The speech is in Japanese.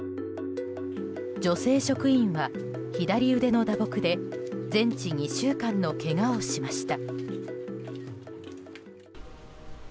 女性職員は左腕の打撲で全治２週間のけがをしました。